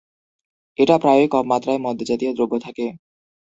এটা প্রায়ই কম মাত্রায় মদ্যজাতীয় দ্রব্য থাকে।